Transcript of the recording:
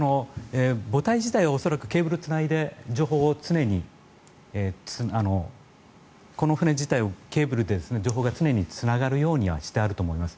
母体自体は恐らくケーブルをつないでこの船自体をケーブルで情報が常につながるようにはしていると思います。